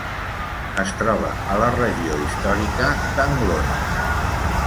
Es troba a la regió històrica d'Anglona.